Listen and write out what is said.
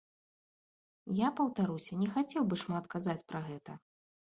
Я, паўтаруся, не хацеў бы шмат казаць пра гэта.